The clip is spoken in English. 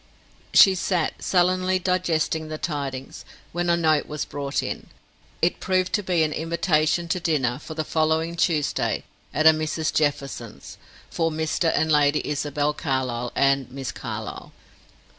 She sat, sullenly digesting the tidings, when a note was brought in. It proved to be an invitation to dinner for the following Tuesday, at a Mrs. Jefferson's for Mr. and Lady Isabel Carlyle and Miss Carlyle.